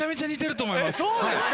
そうですか！